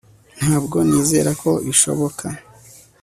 ntabwo nizera ko bishoboka